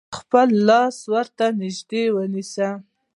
خپل لاس ورته نژدې ونیسئ.